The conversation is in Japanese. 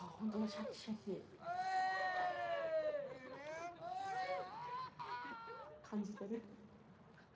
シャキシャキ。感じてる。